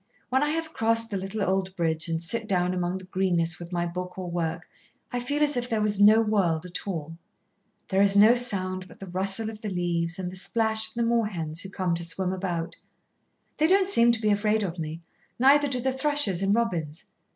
When I have crossed the little old bridge and sit down among the greenness with my book or work, I feel as if there was no world at all. There is no sound but the rustle of the leaves and the splash of the moor hens who come to swim about. They don't seem to be afraid of me, neither do the thrushes and robins.